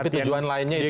tapi tujuan lainnya itu